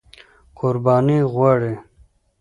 قرباني غواړي.